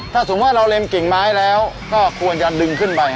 ถ้าสมมุติว่าเราเล็มกิ่งไม้แล้วก็ควรจะดึงขึ้นไป